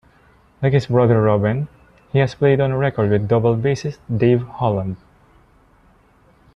Like his brother Robin, he has played on record with double bassist Dave Holland.